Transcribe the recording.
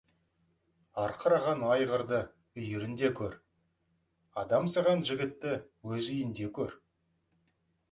Арқыраған айғырды үйірінде көр, адамсыған жігітті өз үйінде көр.